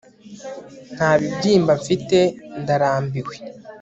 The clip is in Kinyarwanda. nta bibyimba mfite, ndarambiwe